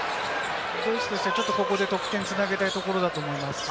ドイツとしてはここで得点に繋げたいところだと思います。